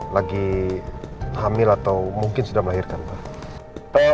lagi hamil atau mungkin sudah melahirkan pak